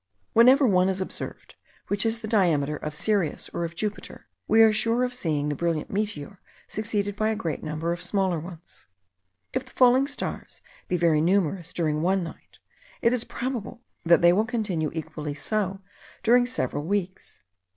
Whenever one is observed, which has the diameter of Sirius or of Jupiter, we are sure of seeing the brilliant meteor succeeded by a great number of smaller ones. If the falling stars be very numerous during one night, it is probable that they will continue equally so during several weeks.